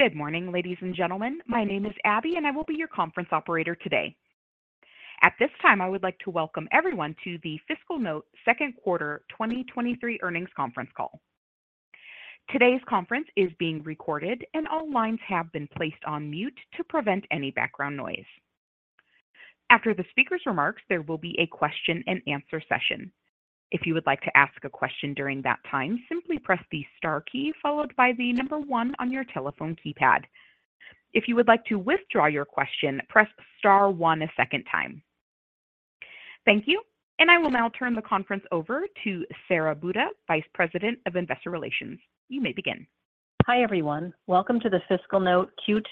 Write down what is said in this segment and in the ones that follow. Good morning, ladies and gentlemen. My name is Abby, I will be your conference operator today. At this time, I would like to welcome everyone to the FiscalNote Second Quarter 2023 Earnings Conference Call. Today's conference is being recorded, all lines have been placed on mute to prevent any background noise. After the speaker's remarks, there will be a question and answer session. If you would like to ask a question during that time, simply press the star key followed by the 1 on your telephone keypad. If you would like to withdraw your question, press star one a second time. Thank you, I will now turn the conference over to Sara Buda, Vice President of Investor Relations. You may begin. Hi, everyone. Welcome to the FiscalNote Q2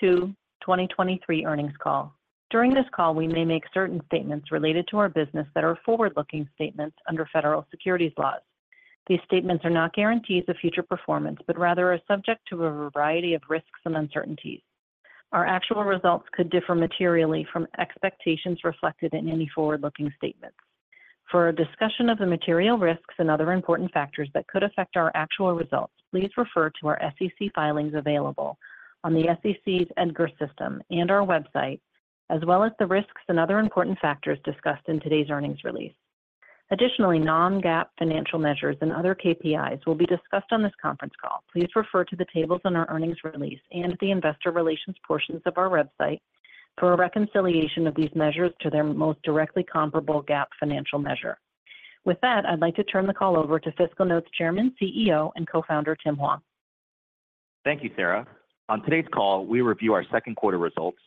2023 Earnings Call. During this call, we may make certain statements related to our business that are forward-looking statements under federal securities laws. These statements are not guarantees of future performance, but rather are subject to a variety of risks and uncertainties. Our actual results could differ materially from expectations reflected in any forward-looking statements. For a discussion of the material risks and other important factors that could affect our actual results, please refer to our SEC filings available on the SEC's EDGAR system and our website, as well as the risks and other important factors discussed in today's earnings release. Additionally, non-GAAP financial measures and other KPIs will be discussed on this conference call. Please refer to the tables in our earnings release and the investor relations portions of our website for a reconciliation of these measures to their most directly comparable GAAP financial measure. With that, I'd like to turn the call over to FiscalNote's Chairman, CEO, and Co-founder, Tim Hwang. Thank you, Sara. On today's call, we review our second quarter results,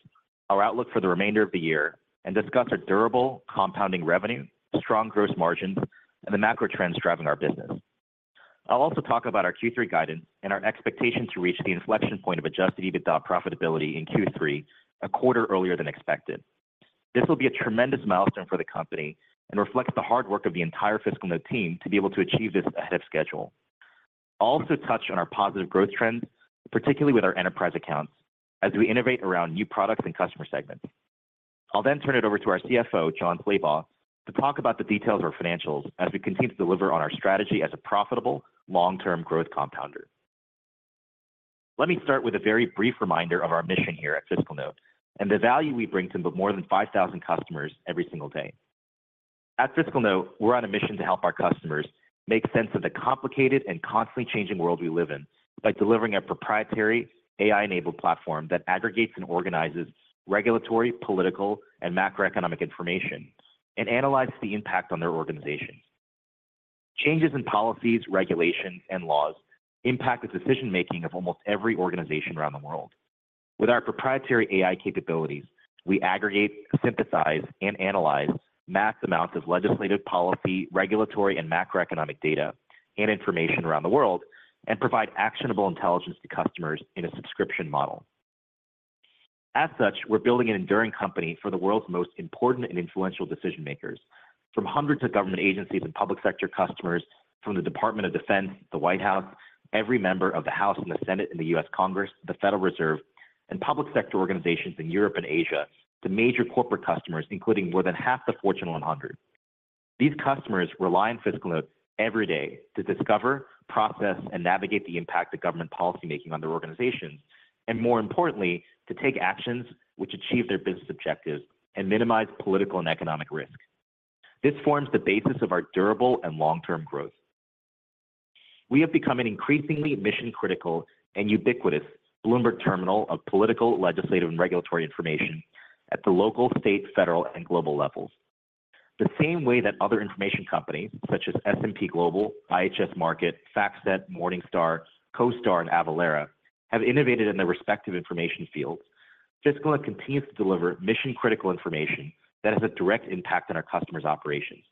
our outlook for the remainder of the year, and discuss our durable compounding revenue, strong gross margins, and the macro trends driving our business. I'll also talk about our Q3 guidance and our expectation to reach the inflection point of adjusted EBITDA profitability in Q3, a quarter earlier than expected. This will be a tremendous milestone for the company and reflects the hard work of the entire FiscalNote team to be able to achieve this ahead of schedule. I'll also touch on our positive growth trends, particularly with our enterprise accounts, as we innovate around new products and customer segments. I'll then turn it over to our CFO, Jon Slabaugh, to talk about the details of our financials as we continue to deliver on our strategy as a profitable, long-term growth compounder. Let me start with a very brief reminder of our mission here at FiscalNote and the value we bring to more than 5,000 customers every single day. At FiscalNote, we're on a mission to help our customers make sense of the complicated and constantly changing world we live in by delivering a proprietary AI-enabled platform that aggregates and organizes regulatory, political, and macroeconomic information and analyzes the impact on their organizations. Changes in policies, regulations, and laws impact the decision-making of almost every organization around the world. With our proprietary AI capabilities, we aggregate, synthesize, and analyze mass amounts of legislative, policy, regulatory, and macroeconomic data and information around the world and provide actionable intelligence to customers in a subscription model. As such, we're building an enduring company for the world's most important and influential decision-makers, from hundreds of government agencies and public sector customers from the Department of Defense, the White House, every member of the House and the Senate in the U.S. Congress, the Federal Reserve, and public sector organizations in Europe and Asia, to major corporate customers, including more than half the Fortune 100. These customers rely on FiscalNote every day to discover, process, and navigate the impact of government policymaking on their organizations, and more importantly, to take actions which achieve their business objectives and minimize political and economic risk. This forms the basis of our durable and long-term growth. We have become an increasingly mission-critical and ubiquitous Bloomberg Terminal of political, legislative, and regulatory information at the local, state, federal, and global levels. The same way that other information companies such as S&P Global, IHS Markit, FactSet, Morningstar, CoStar, and Avalara have innovated in their respective information fields, FiscalNote continues to deliver mission-critical information that has a direct impact on our customers' operations.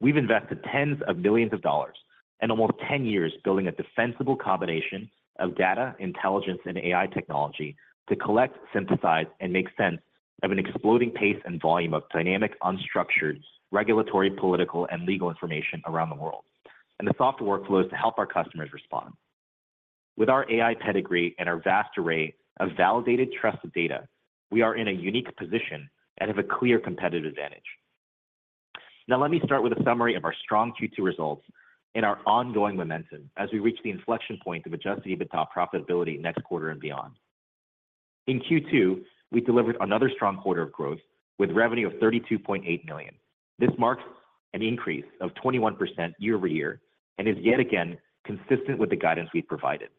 We've invested tens of millions of dollars and almost 10 years building a defensible combination of data, intelligence, and AI technology to collect, synthesize, and make sense of an exploding pace and volume of dynamic, unstructured, regulatory, political, and legal information around the world, and the software workflows to help our customers respond. With our AI pedigree and our vast array of validated, trusted data, we are in a unique position and have a clear competitive advantage. Let me start with a summary of our strong Q2 results and our ongoing momentum as we reach the inflection point of adjusted EBITDA profitability next quarter and beyond. In Q2, we delivered another strong quarter of growth with revenue of $32.8 million. This marks an increase of 21% year-over-year and is yet again consistent with the guidance we've provided.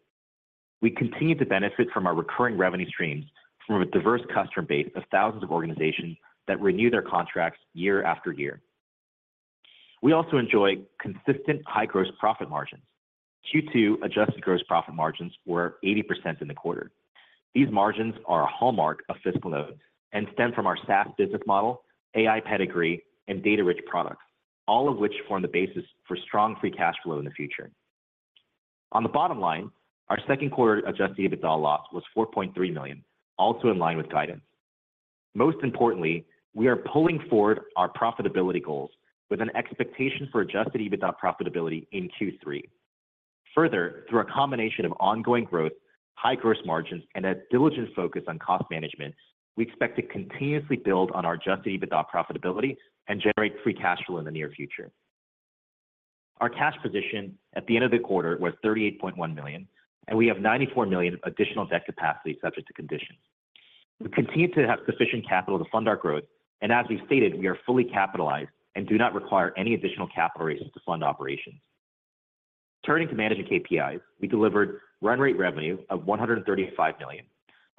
We continue to benefit from our recurring revenue streams from a diverse customer base of thousands of organizations that renew their contracts year after year. We also enjoy consistent high gross profit margins. Q2 adjusted gross profit margins were 80% in the quarter. These margins are a hallmark of FiscalNote and stem from our SaaS business model, AI pedigree, and data-rich products, all of which form the basis for strong free cash flow in the future. On the bottom line, our second quarter adjusted EBITDA loss was $4.3 million, also in line with guidance. Most importantly, we are pulling forward our profitability goals with an expectation for adjusted EBITDA profitability in Q3. Further, through a combination of ongoing growth, high gross margins, and a diligent focus on cost management, we expect to continuously build on our adjusted EBITDA profitability and generate free cash flow in the near future. Our cash position at the end of the quarter was $38.1 million, and we have $94 million additional debt capacity subject to conditions. We continue to have sufficient capital to fund our growth, and as we've stated, we are fully capitalized and do not require any additional capital raises to fund operations. Turning to management KPIs, we delivered Run-Rate Revenue of $135 million.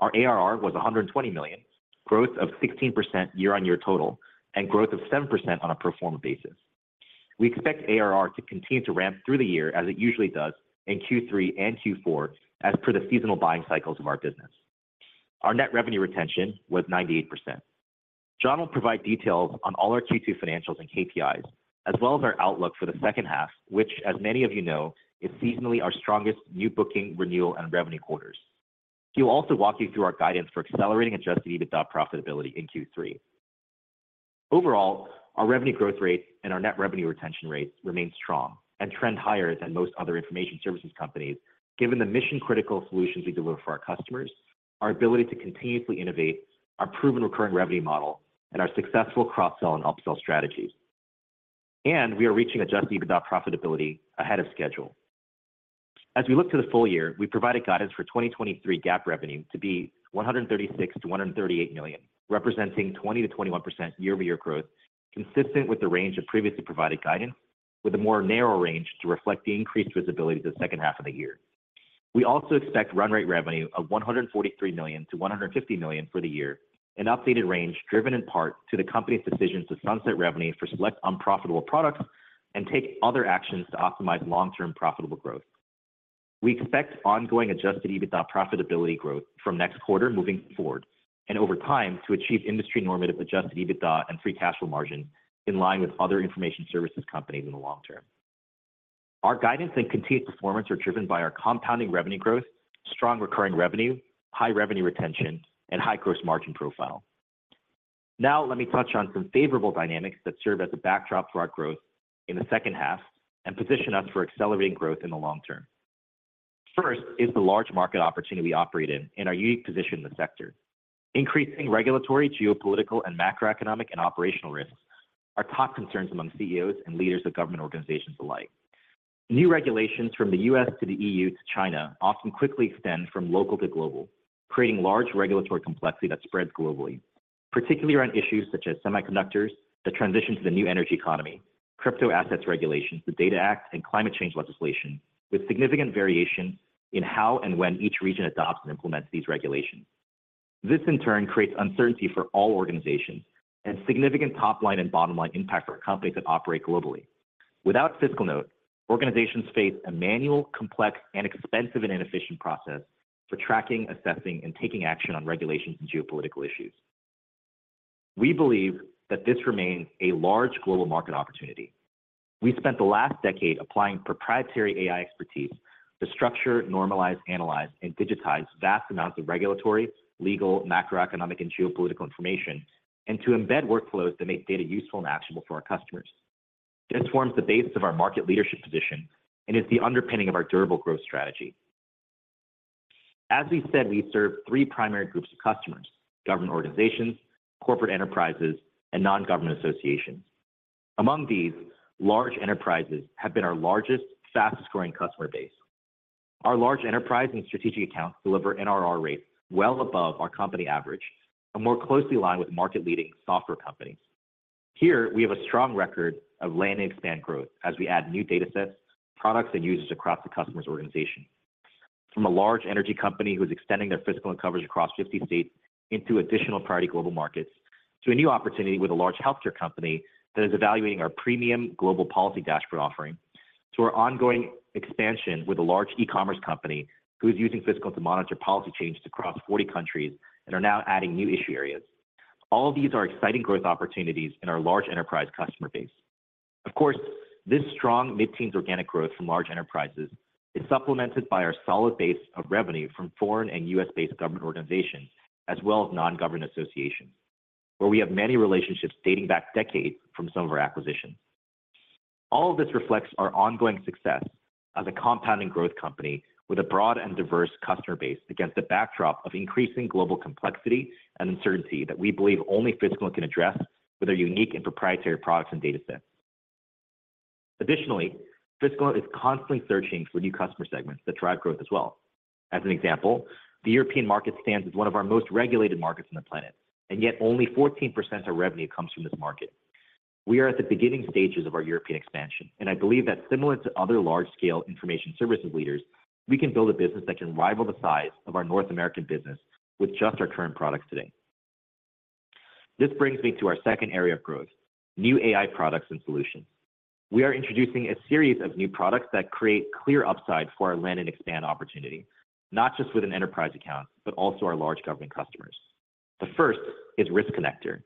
Our ARR was $120 million, growth of 16% year-on-year total, and growth of 7% on a pro forma basis. We expect ARR to continue to ramp through the year, as it usually does, in Q3 and Q4, as per the seasonal buying cycles of our business. Our net revenue retention was 98%. Jon will provide details on all our Q2 financials and KPIs, as well as our outlook for the H2, which, as many of you know, is seasonally our strongest new booking, renewal, and revenue quarters. He will also walk you through our guidance for accelerating adjusted EBITDA profitability in Q3. Overall, our revenue growth rate and our net revenue retention rates remain strong and trend higher than most other information services companies, given the mission-critical solutions we deliver for our customers, our ability to continuously innovate, our proven recurring revenue model, and our successful cross-sell and upsell strategies. We are reaching adjusted EBITDA profitability ahead of schedule. As we look to the full year, we provided guidance for 2023 GAAP revenue to be $136 million-$138 million, representing 20%-21% year-over-year growth, consistent with the range of previously provided guidance, with a more narrow range to reflect the increased visibility to the H2 of the year. We also expect Run-Rate Revenue of $143 million-$150 million for the year, an updated range driven in part to the company's decisions to sunset revenue for select unprofitable products and take other actions to optimize long-term profitable growth. We expect ongoing adjusted EBITDA profitability growth from next quarter moving forward and over time to achieve industry normative adjusted EBITDA and free cash flow margin in line with other information services companies in the long term. Our guidance and continued performance are driven by our compounding revenue growth, strong recurring revenue, high revenue retention, and high gross margin profile. Now, let me touch on some favorable dynamics that serve as a backdrop to our growth in the H2 and position us for accelerating growth in the long term. First is the large market opportunity we operate in and our unique position in the sector. Increasing regulatory, geopolitical, and macroeconomic and operational risks are top concerns among CEOs and leaders of government organizations alike. New regulations from the U.S. to the EU to China often quickly extend from local to global, creating large regulatory complexity that spreads globally, particularly around issues such as semiconductors, the transition to the new energy economy, crypto assets regulations, the Data Act, and climate change legislation, with significant variation in how and when each region adopts and implements these regulations. This, in turn, creates uncertainty for all organizations and significant top-line and bottom-line impact for companies that operate globally. Without FiscalNote, organizations face a manual, complex, expensive, and inefficient process for tracking, assessing, and taking action on regulations and geopolitical issues. We believe that this remains a large global market opportunity. We've spent the last decade applying proprietary AI expertise to structure, normalize, analyze, and digitize vast amounts of regulatory, legal, macroeconomic, and geopolitical information, and to embed workflows that make data useful and actionable for our customers. This forms the basis of our market leadership position and is the underpinning of our durable growth strategy. As we said, we serve three primary groups of customers: government organizations, corporate enterprises, and non-government associations. Among these, large enterprises have been our largest, fastest-growing customer base. Our large enterprise and strategic accounts deliver NRR rates well above our company average and more closely aligned with market-leading software companies. Here, we have a strong record of land and expand growth as we add new datasets, products, and users across the customer's organization. From a large energy company who is extending their physical and coverage across 50 states into additional priority global markets, to a new opportunity with a large healthcare company that is evaluating our premium global policy dashboard offering, to our ongoing expansion with a large e-commerce company who is using FiscalNote to monitor policy changes across 40 countries and are now adding new issue areas. All of these are exciting growth opportunities in our large enterprise customer base. Of course, this strong mid-teen organic growth from large enterprises is supplemented by our solid base of revenue from foreign and U.S.-based government organizations, as well as non-government associations, where we have many relationships dating back decades from some of our acquisitions. All of this reflects our ongoing success as a compounding growth company with a broad and diverse customer base against the backdrop of increasing global complexity and uncertainty that we believe only FiscalNote can address with their unique and proprietary products and datasets. Additionally, FiscalNote is constantly searching for new customer segments that drive growth as well. As an example, the European market stands as one of our most regulated markets on the planet, and yet only 14% of revenue comes from this market. We are at the beginning stages of our European expansion, and I believe that similar to other large-scale information services leaders, we can build a business that can rival the size of our North American business with just our current products today. This brings me to our second area of growth, new AI products and solutions. We are introducing a series of new products that create clear upside for our land and expand opportunity, not just with an enterprise account, but also our large government customers. The first is Risk Connector,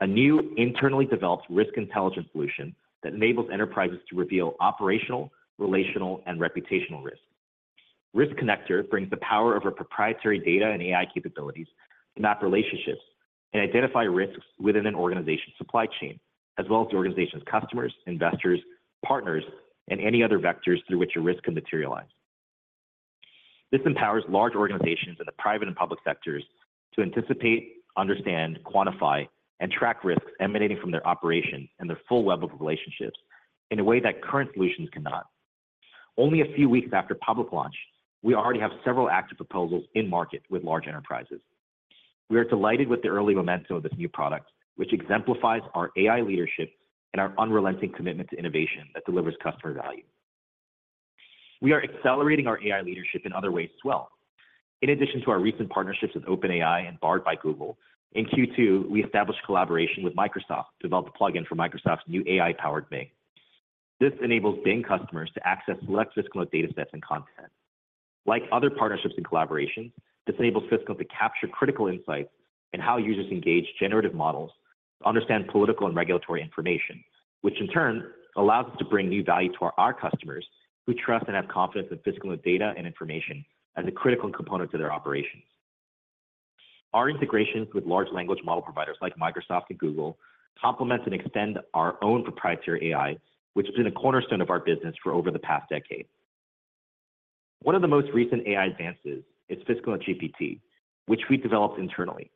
a new internally developed risk intelligence solution that enables enterprises to reveal operational, relational, and reputational risk. Risk Connector brings the power of our proprietary data and AI capabilities to map relationships and identify risks within an organization's supply chain, as well as the organization's customers, investors, partners, and any other vectors through which a risk can materialize.... This empowers large organizations in the private and public sectors to anticipate, understand, quantify, and track risks emanating from their operations and their full web of relationships in a way that current solutions cannot. Only a few weeks after public launch, we already have several active proposals in market with large enterprises. We are delighted with the early momentum of this new product, which exemplifies our AI leadership and our unrelenting commitment to innovation that delivers customer value. We are accelerating our AI leadership in other ways as well. In addition to our recent partnerships with OpenAI and Bard by Google, in Q2, we established collaboration with Microsoft to develop a plugin for Microsoft's new AI-powered Bing. This enables Bing customers to access select FiscalNote datasets and content. Like other partnerships and collaborations, this enables FiscalNote to capture critical insights in how users engage generative models to understand political and regulatory information, which in turn allows us to bring new value to our customers, who trust and have confidence in FiscalNote data and information as a critical component to their operations. Our integrations with large language model providers like Microsoft and Google, complement and extend our own proprietary AI, which has been a cornerstone of our business for over the past decade. One of the most recent AI advances is FiscalNote GPT, which we developed internally.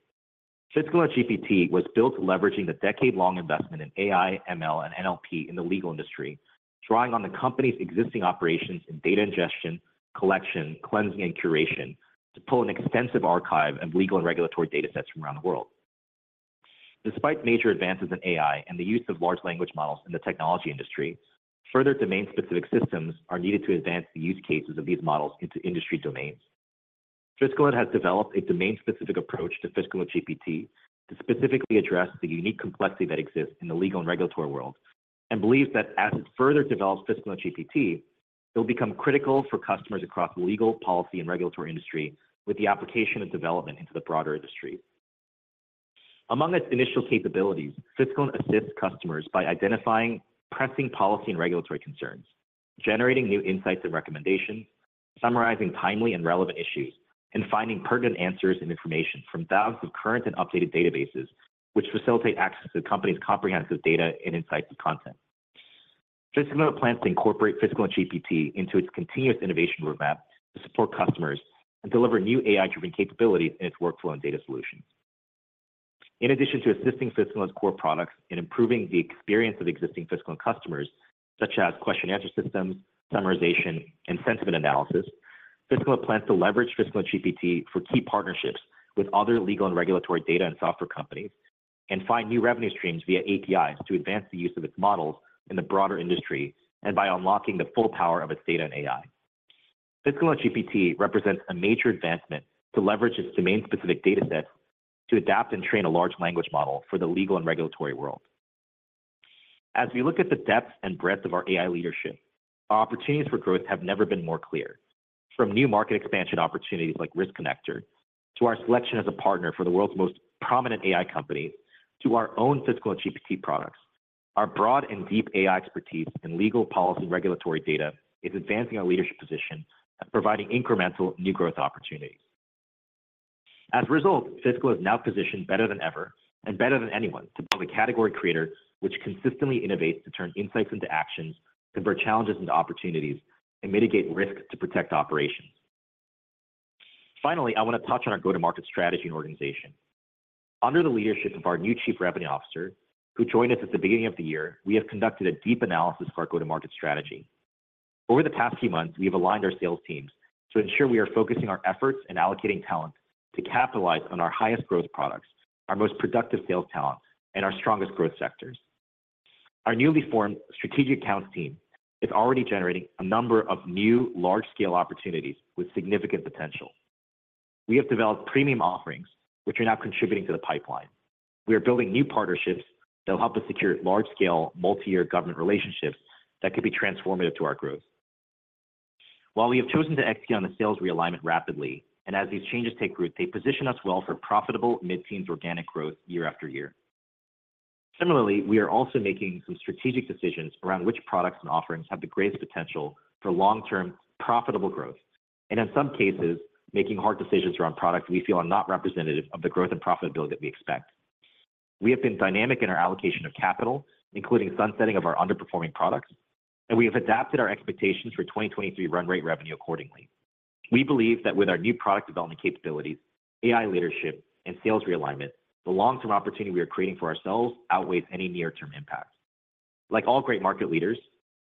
FiscalNote GPT was built leveraging the decade-long investment in AI, ML, and NLP in the legal industry, drawing on the company's existing operations in data ingestion, collection, cleansing, and curation, to pull an extensive archive of legal and regulatory datasets from around the world. Despite major advances in AI and the use of large language models in the technology industry, further domain-specific systems are needed to advance the use cases of these models into industry domains. FiscalNote has developed a domain-specific approach to FiscalNote GPT to specifically address the unique complexity that exists in the legal and regulatory world, and believes that as it further develops FiscalNote GPT, it will become critical for customers across legal, policy, and regulatory industry, with the application and development into the broader industry. Among its initial capabilities, FiscalNote assists customers by identifying pressing policy and regulatory concerns, generating new insights and recommendations, summarizing timely and relevant issues, and finding pertinent answers and information from thousands of current and updated databases, which facilitate access to the company's comprehensive data and insights and content. FiscalNote plans to incorporate FiscalNote GPT into its continuous innovation roadmap to support customers and deliver new AI-driven capabilities in its workflow and data solutions. In addition to assisting FiscalNote's core products in improving the experience of existing FiscalNote customers, such as question answer systems, summarization, and sentiment analysis, FiscalNote plans to leverage FiscalNote GPT for key partnerships with other legal and regulatory data and software companies, and find new revenue streams via APIs to advance the use of its models in the broader industry, and by unlocking the full power of its data and AI. FiscalNote GPT represents a major advancement to leverage its domain-specific datasets to adapt and train a large language model for the legal and regulatory world. As we look at the depth and breadth of our AI leadership, opportunities for growth have never been more clear. From new market expansion opportunities like Risk Connector, to our selection as a partner for the world's most prominent AI company, to our own FiscalNoteGPT products, our broad and deep AI expertise in legal, policy, and regulatory data is advancing our leadership position and providing incremental new growth opportunities. As a result, FiscalNote is now positioned better than ever and better than anyone to build a category creator, which consistently innovates to turn insights into actions, convert challenges into opportunities, and mitigate risks to protect operations. Finally, I want to touch on our go-to-market strategy and organization. Under the leadership of our new Chief Revenue Officer, who joined us at the beginning of the year, we have conducted a deep analysis of our go-to-market strategy. Over the past few months, we have aligned our sales teams to ensure we are focusing our efforts and allocating talent to capitalize on our highest growth products, our most productive sales talent, and our strongest growth sectors. Our newly formed strategic accounts team is already generating a number of new large-scale opportunities with significant potential. We have developed premium offerings, which are now contributing to the pipeline. We are building new partnerships that will help us secure large-scale, multi-year government relationships that could be transformative to our growth. While we have chosen to execute on the sales realignment rapidly, and as these changes take root, they position us well for profitable mid-teens organic growth year after year. Similarly, we are also making some strategic decisions around which products and offerings have the greatest potential for long-term, profitable growth, and in some cases, making hard decisions around products we feel are not representative of the growth and profitability that we expect. We have been dynamic in our allocation of capital, including sunsetting of our underperforming products, and we have adapted our expectations for 2023 Run-Rate Revenue accordingly. We believe that with our new product development capabilities, AI leadership, and sales realignment, the long-term opportunity we are creating for ourselves outweighs any near-term impact. Like all great market leaders,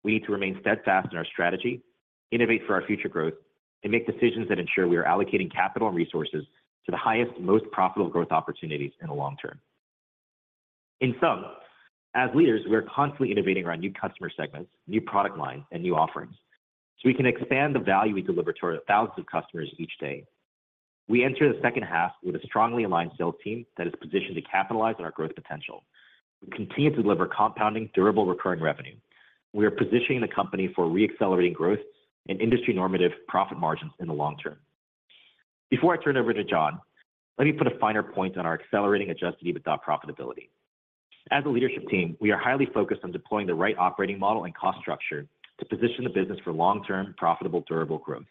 we need to remain steadfast in our strategy, innovate for our future growth, and make decisions that ensure we are allocating capital and resources to the highest, most profitable growth opportunities in the long term. In sum, as leaders, we are constantly innovating around new customer segments, new product lines, and new offerings, so we can expand the value we deliver to our thousands of customers each day. We enter the H2 with a strongly aligned sales team that is positioned to capitalize on our growth potential and continue to deliver compounding, durable, recurring revenue. We are positioning the company for re-accelerating growth and industry normative profit margins in the long term. Before I turn it over to Jon, let me put a finer point on our accelerating adjusted EBITDA profitability. As a leadership team, we are highly focused on deploying the right operating model and cost structure to position the business for long-term, profitable, durable growth.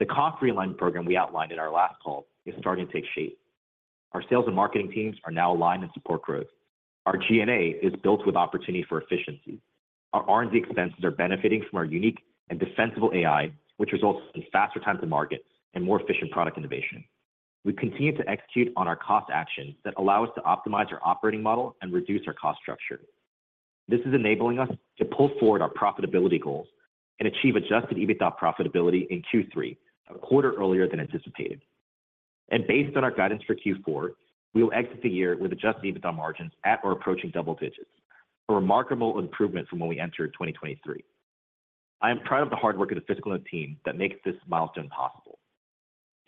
The cost realignment program we outlined in our last call is starting to take shape. Our sales and marketing teams are now aligned and support growth. Our G&A is built with opportunity for efficiency. Our R&D expenses are benefiting from our unique and defensible AI, which results in faster time to market and more efficient product innovation. We continue to execute on our cost actions that allow us to optimize our operating model and reduce our cost structure. This is enabling us to pull forward our profitability goals and achieve adjusted EBITDA profitability in Q3, a quarter earlier than anticipated. Based on our guidance for Q4, we will exit the year with adjusted EBITDA margins at or approaching double digits, a remarkable improvement from when we entered 2023. I am proud of the hard work of the FiscalNote team that makes this milestone possible.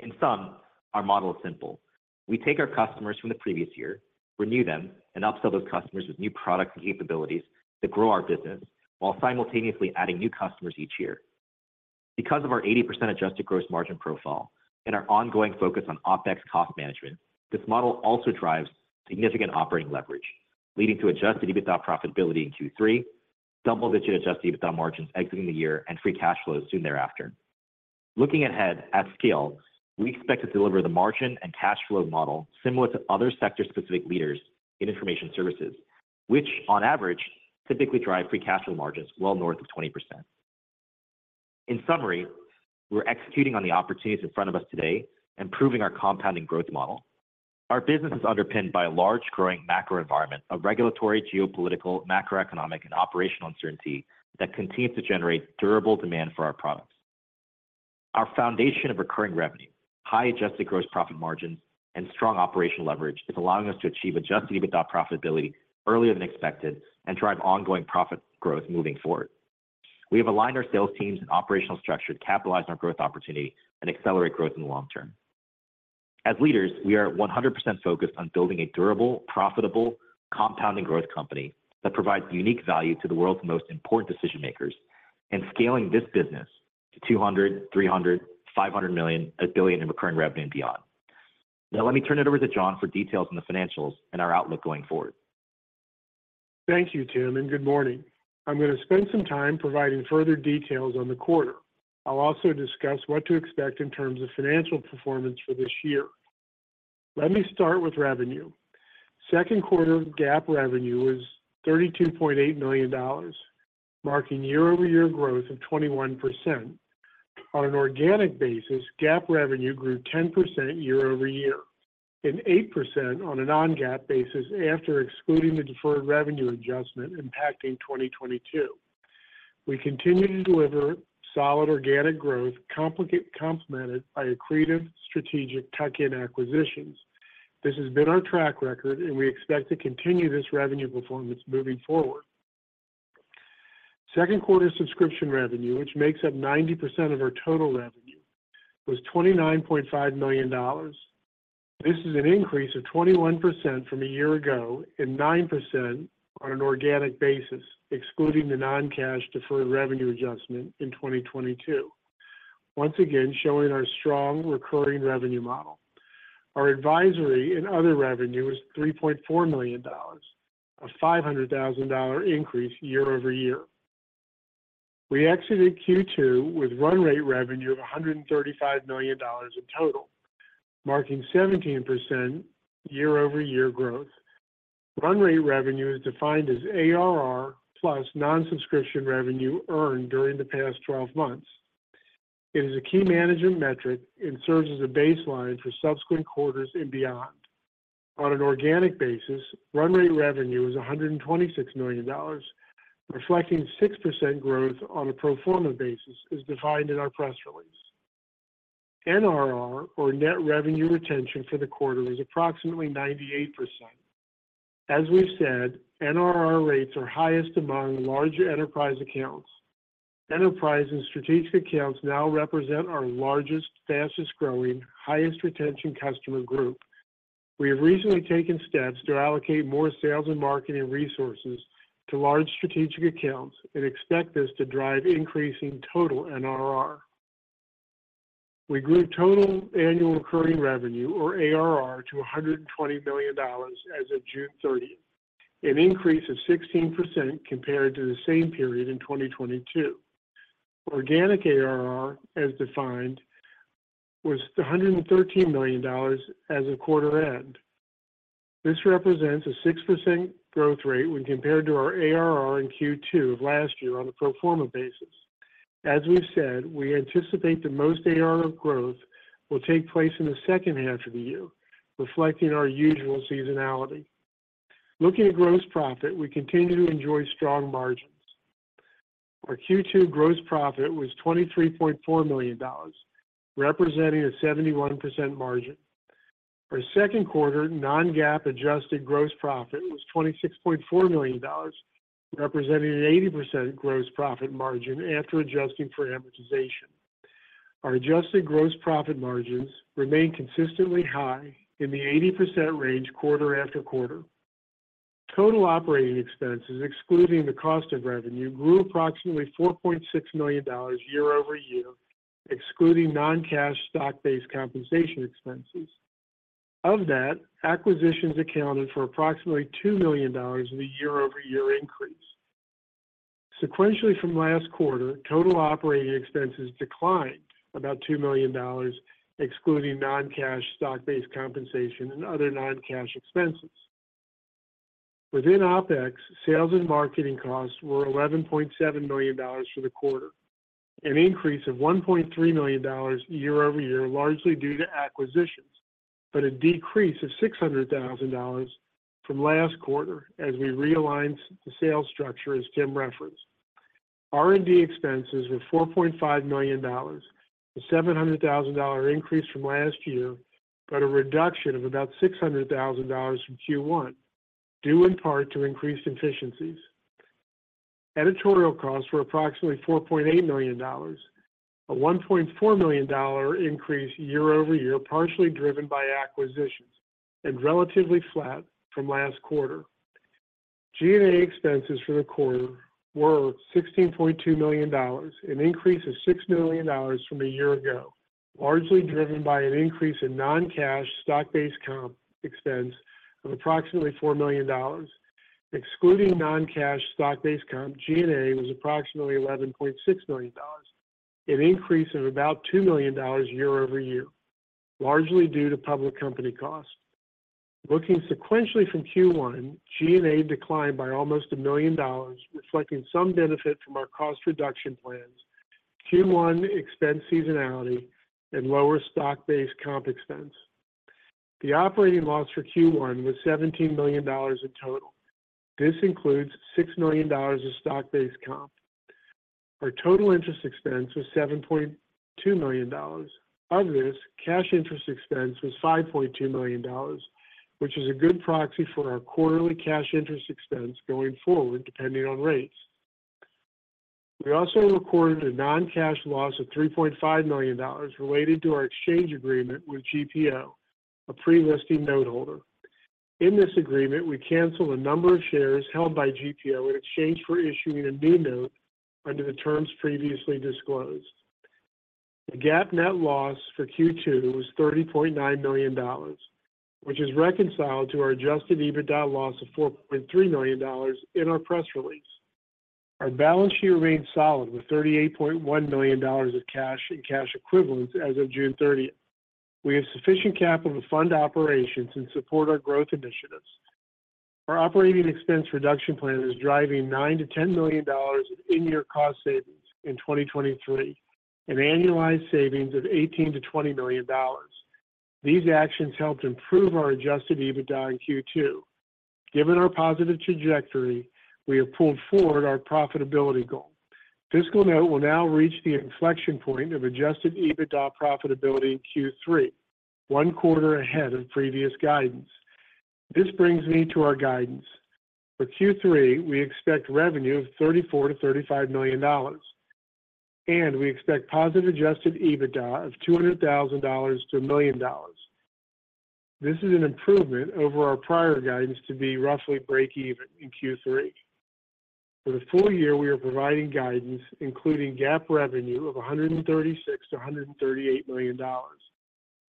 In sum, our model is simple: we take our customers from the previous year, renew them, and upsell those customers with new products and capabilities to grow our business, while simultaneously adding new customers each year. Because of our 80% adjusted gross margin profile and our ongoing focus on OpEx cost management, this model also drives significant operating leverage, leading to adjusted EBITDA profitability in Q3, double-digit adjusted EBITDA margins exiting the year, and free cash flows soon thereafter. Looking ahead at scale, we expect to deliver the margin and cash flow model similar to other sector-specific leaders in information services, which on average, typically drive free cash flow margins well north of 20%. In summary, we're executing on the opportunities in front of us today, improving our compounding growth model. Our business is underpinned by a large growing macro environment of regulatory, geopolitical, macroeconomic, and operational uncertainty that continues to generate durable demand for our products. Our foundation of recurring revenue, high adjusted gross profit margins, and strong operational leverage is allowing us to achieve adjusted EBITDA profitability earlier than expected and drive ongoing profit growth moving forward. We have aligned our sales teams and operational structure to capitalize on our growth opportunity and accelerate growth in the long term. As leaders, we are 100% focused on building a durable, profitable, compounding growth company that provides unique value to the world's most important decision-makers, and scaling this business to $200 million, $300 million, $500 million, $1 billion in recurring revenue and beyond. Now let me turn it over to Jon for details on the financials and our outlook going forward. Thank you, Tim, and good morning. I'm going to spend some time providing further details on the quarter. I'll also discuss what to expect in terms of financial performance for this year. Let me start with revenue. Second quarter GAAP revenue was $32.8 million, marking year-over-year growth of 21%. On an organic basis, GAAP revenue grew 10% year-over-year and 8% on a non-GAAP basis after excluding the deferred revenue adjustment impacting 2022. We continue to deliver solid organic growth, complemented by accretive strategic tuck-in acquisitions. This has been our track record, and we expect to continue this revenue performance moving forward. Second quarter subscription revenue, which makes up 90% of our total revenue, was $29.5 million. This is an increase of 21% from a year ago and 9% on an organic basis, excluding the non-cash deferred revenue adjustment in 2022. Once again, showing our strong recurring revenue model. Our advisory and other revenue is $3.4 million, a $500,000 increase year-over-year. We exited Q2 with Run-Rate Revenue of $135 million in total, marking 17% year-over-year growth. Run-Rate Revenue is defined as ARR plus non-subscription revenue earned during the past 12 months. It is a key management metric and serves as a baseline for subsequent quarters and beyond. On an organic basis, Run-Rate Revenue is $126 million, reflecting 6% growth on a pro forma basis, as defined in our press release. NRR or net revenue retention for the quarter was approximately 98%. As we've said, NRR rates are highest among large enterprise accounts. Enterprise and strategic accounts now represent our largest, fastest-growing, highest-retention customer group. We have recently taken steps to allocate more sales and marketing resources to large strategic accounts and expect this to drive increasing total NRR. We grew total annual recurring revenue, or ARR, to $120 million as of June 30th, an increase of 16% compared to the same period in 2022. Organic ARR, as defined, was $113 million as of quarter end. This represents a 6% growth rate when compared to our ARR in Q2 of last year on a pro forma basis. As we've said, we anticipate the most ARR growth will take place in the H2 of the year, reflecting our usual seasonality. Looking at gross profit, we continue to enjoy strong margins. Our Q2 gross profit was $23.4 million, representing a 71% margin. Our second quarter non-GAAP adjusted gross profit was $26.4 million, representing an 80% gross profit margin after adjusting for amortization. Our adjusted gross profit margins remain consistently high in the 80% range quarter after quarter. Total operating expenses, excluding the cost of revenue, grew approximately $4.6 million year-over-year, excluding non-cash stock-based compensation expenses. Of that, acquisitions accounted for approximately $2 million in the year-over-year increase....Sequentially from last quarter, total operating expenses declined about $2 million, excluding non-cash stock-based compensation and other non-cash expenses. Within OpEx, sales and marketing costs were $11.7 million for the quarter, an increase of $1.3 million year-over-year, largely due to acquisitions, but a decrease of $600,000 from last quarter as we realigned the sales structure, as Tim referenced. R&D expenses were $4.5 million, a $700,000 increase from last year, but a reduction of about $600,000 from Q1, due in part to increased efficiencies. Editorial costs were approximately $4.8 million, a $1.4 million increase year-over-year, partially driven by acquisitions and relatively flat from last quarter. G&A expenses for the quarter were $16.2 million, an increase of $6 million from a year ago, largely driven by an increase in non-cash stock-based compensation expense of approximately $4 million. Excluding non-cash stock-based compensation, G&A was approximately $11.6 million, an increase of about $2 million year-over-year, largely due to public company costs. Looking sequentially from Q1, G&A declined by almost $1 million, reflecting some benefit from our cost reduction plans, Q1 expense seasonality, and lower stock-based compensation expense. The operating loss for Q1 was $17 million in total. This includes $6 million of stock-based compensation. Our total interest expense was $7.2 million. Of this, cash interest expense was $5.2 million, which is a good proxy for our quarterly cash interest expense going forward, depending on rates. We also recorded a non-cash loss of $3.5 million related to our exchange agreement with GPO, a pre-listing noteholder. In this agreement, we canceled a number of shares held by GPO in exchange for issuing a New Note under the terms previously disclosed. The GAAP net loss for Q2 was $30.9 million, which is reconciled to our adjusted EBITDA loss of $4.3 million in our press release. Our balance sheet remains solid, with $38.1 million of cash and cash equivalents as of June thirtieth. We have sufficient capital to fund operations and support our growth initiatives. Our operating expense reduction plan is driving $9 million-$10 million of in-year cost savings in 2023, an annualized savings of $18 million-$20 million. These actions helped improve our adjusted EBITDA in Q2. Given our positive trajectory, we have pulled forward our profitability goal. FiscalNote will now reach the inflection point of adjusted EBITDA profitability in Q3, one quarter ahead of previous guidance. This brings me to our guidance. For Q3, we expect revenue of $34 million-$35 million, and we expect positive adjusted EBITDA of $200,000-$1 million. This is an improvement over our prior guidance to be roughly breakeven in Q3. For the full year, we are providing guidance, including GAAP revenue of $136 million-$138 million,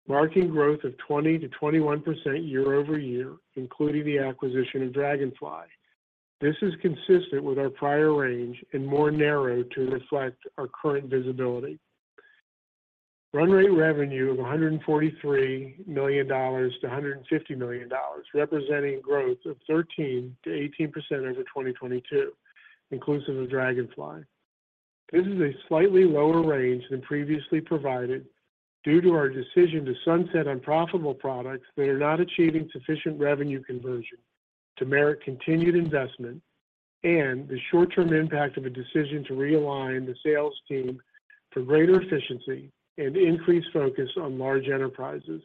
marking growth of 20%-21% year-over-year, including the acquisition of Dragonfly. This is consistent with our prior range and more narrow to reflect our current visibility. Run-Rate Revenue of $143 million-$150 million, representing growth of 13%-18% over 2022, inclusive of Dragonfly. This is a slightly lower range than previously provided due to our decision to sunset unprofitable products that are not achieving sufficient revenue conversion to merit continued investment, and the short-term impact of a decision to realign the sales team for greater efficiency and increased focus on large enterprises.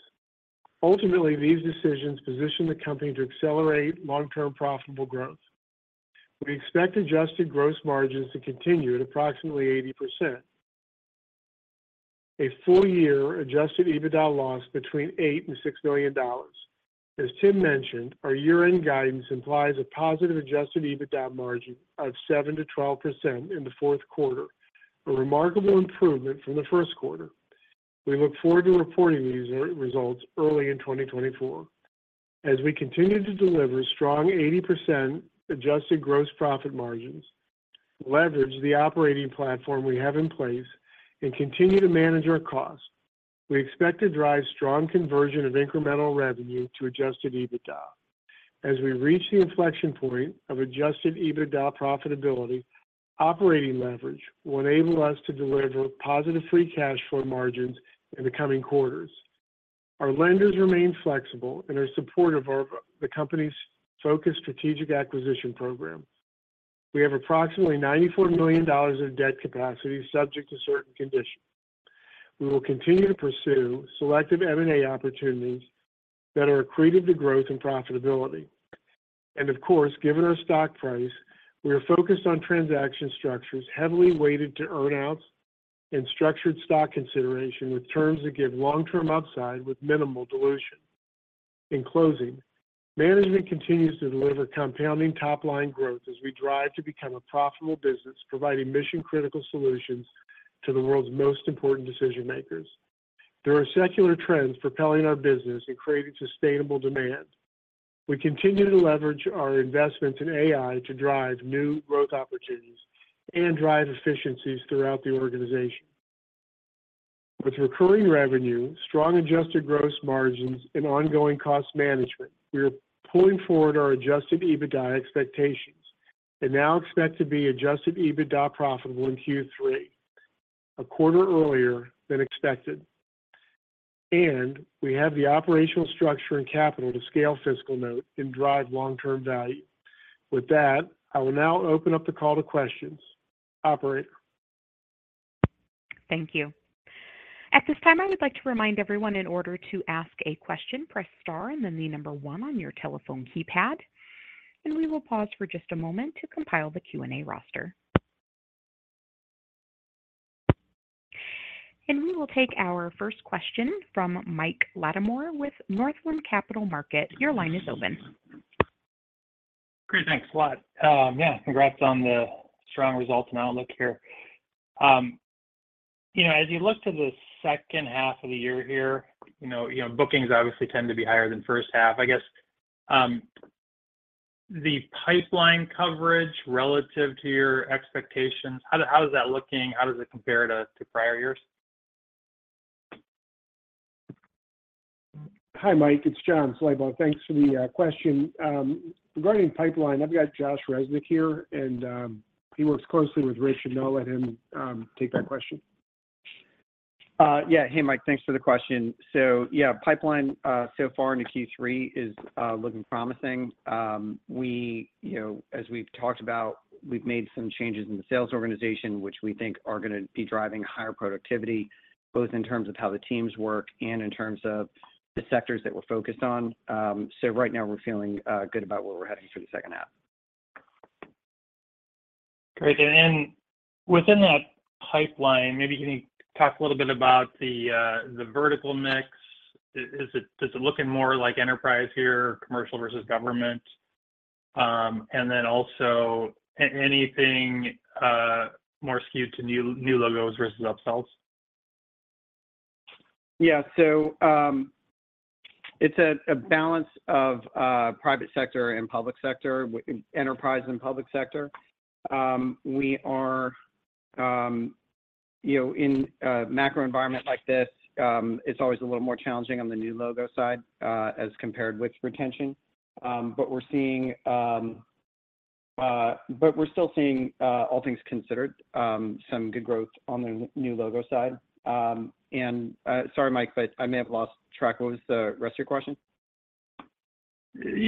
Ultimately, these decisions position the company to accelerate long-term profitable growth. We expect adjusted gross margins to continue at approximately 80%. A full-year adjusted EBITDA loss between $8 million and $6 million. As Tim mentioned, our year-end guidance implies a positive adjusted EBITDA margin of 7%-12% in the fourth quarter, a remarkable improvement from the first quarter. We look forward to reporting these re-results early in 2024. As we continue to deliver strong 80% adjusted gross profit margins, leverage the operating platform we have in place, and continue to manage our costs, we expect to drive strong conversion of incremental revenue to adjusted EBITDA. As we reach the inflection point of adjusted EBITDA profitability, operating leverage will enable us to deliver positive free cash flow margins in the coming quarters. Our lenders remain flexible and are supportive of the company's focused strategic acquisition program. We have approximately $94 million of debt capacity, subject to certain conditions. We will continue to pursue selective M&A opportunities that are accretive to growth and profitability. Of course, given our stock price, we are focused on transaction structures heavily weighted to earn-outs and structured stock consideration, with terms that give long-term upside with minimal dilution. In closing, management continues to deliver compounding top-line growth as we drive to become a profitable business, providing mission-critical solutions to the world's most important decision-makers. There are secular trends propelling our business and creating sustainable demand. We continue to leverage our investment in AI to drive new growth opportunities and drive efficiencies throughout the organization. With recurring revenue, strong adjusted gross margins, and ongoing cost management, we are pulling forward our adjusted EBITDA expectations and now expect to be adjusted EBITDA profitable in Q3, a quarter earlier than expected. We have the operational structure and capital to scale FiscalNote and drive long-term value. With that, I will now open up the call to questions. Operator? Thank you. At this time, I would like to remind everyone, in order to ask a question, press star and then the 1 on your telephone keypad. We will pause for just a moment to compile the Q&A roster. We will take our first question from Mike Latimore with Northland Capital Markets. Your line is open. Great, thanks a lot. Yeah, congrats on the strong results and outlook here. You know, as you look to the H2 of the year here, you know, you know, bookings obviously tend to be higher than H1. I guess, the pipeline coverage relative to your expectations, how, how is that looking? How does it compare to, to prior years? Hi, Mike, it's Jon Slabaugh. Thanks for the question. Regarding pipeline, I've got Josh Resnik here, and he works closely with Ray, so I'll let him take that question. Yeah. Hey, Mike, thanks for the question. Yeah, pipeline so far into Q3 is looking promising. We, you know, as we've talked about, we've made some changes in the sales organization, which we think are gonna be driving higher productivity, both in terms of how the teams work and in terms of the sectors that we're focused on. So right now we're feeling good about where we're heading for the H2. Great. Within that pipeline, maybe can you talk a little bit about the vertical mix? Does it look more like enterprise here, commercial versus government? Also, anything more skewed to new, new logos versus upsells? Yeah. It's a balance of private sector and public sector, enterprise and public sector. We are, you know, in a macro environment like this, it's always a little more challenging on the new logo side, as compared with retention. We're seeing... but we're still seeing, all things considered, some good growth on the new logo side. Sorry, Mike, but I may have lost track. What was the rest of your question?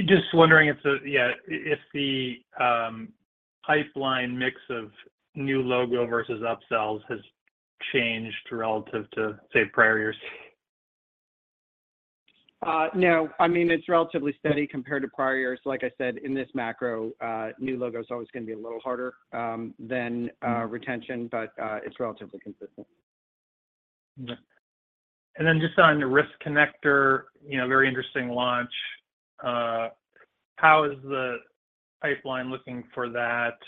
Just wondering if the, yeah, if the, pipeline mix of new logo versus upsells has changed relative to, say, prior years? No. I mean, it's relatively steady compared to prior years. Like I said, in this macro, new logo is always gonna be a little harder than retention, but it's relatively consistent. Yeah. Just on the Risk Connector, you know, very interesting launch. How is the pipeline looking for that?